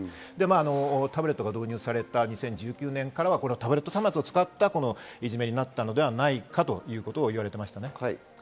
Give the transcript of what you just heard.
タブレットが導入された２０１９年からはタブレットを使ったいじめになったのではないかということです。